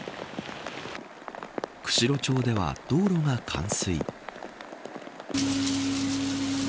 釧路町では道路が冠水。